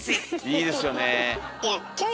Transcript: いいですよね。